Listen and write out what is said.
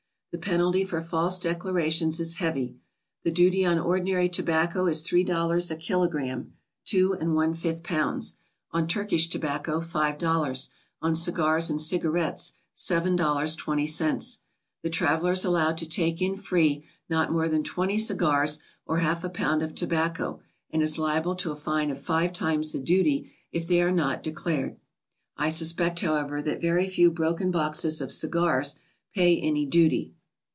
The penalty for faise declarations is heavy. The duty on ordinary tobacco is $3 <a kilogramme (2 1 5 lbs.); on Turkish tobacco, $5; on cigars and cigarettes, $7.20. The traveler is allowed to take in free not more than 20 cigars or half a pound of tobacco, and is liable to a fine of five times the duty if they are not declared. I suspect, however, that very few broken boxes of cigars pay any duty.